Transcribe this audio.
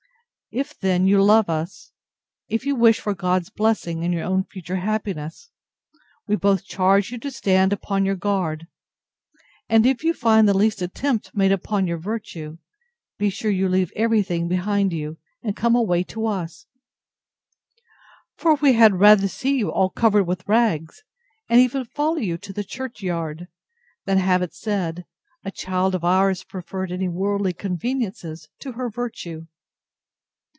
If, then, you love us, if you wish for God's blessing, and your own future happiness, we both charge you to stand upon your guard: and, if you find the least attempt made upon your virtue, be sure you leave every thing behind you, and come away to us; for we had rather see you all covered with rags, and even follow you to the churchyard, than have it said, a child of ours preferred any worldly conveniences to her virtue.